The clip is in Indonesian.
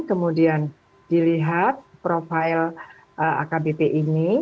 kemudian dilihat profil akbp ini